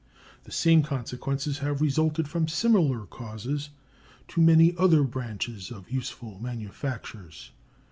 The same consequences have resulted from similar causes to many other branches of useful manufactures.